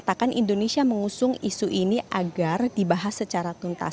makanya kita menyarankan orang orang melihat indonesia sedang berbicara dengan pengitaan